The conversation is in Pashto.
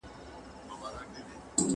¬ خپل پر تنگسه په کارېږي.